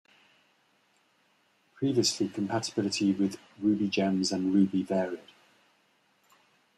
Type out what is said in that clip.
Previously, compatibility with RubyGems and Ruby varied.